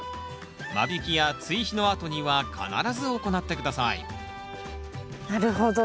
間引きや追肥のあとには必ず行って下さいなるほど。